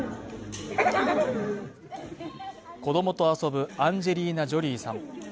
子供と遊ぶアンジェリーナ・ジョリーさん。